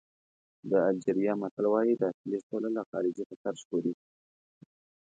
د الجېریا متل وایي داخلي سوله له خارجي خطر ژغوري.